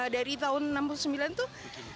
dari tahun seribu sembilan ratus enam puluh sembilan tuh